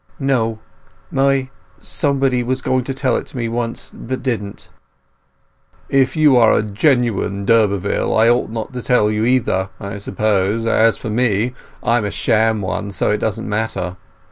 "No. My—somebody was going to tell it me once, but didn't." "If you are a genuine d'Urberville I ought not to tell you either, I suppose. As for me, I'm a sham one, so it doesn't matter.